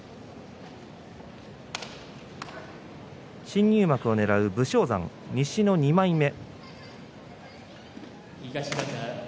新入幕をねらう武将山、西の２枚目。